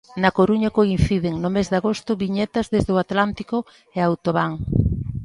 Na Coruña coinciden, no mes de agosto, Viñetas desde o Atlántico e Autobán.